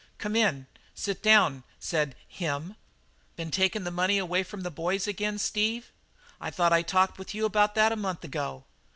"Come in; sit down," said "him." "Been taking the money from the boys again, Steve? I thought I talked with you about that a month ago?"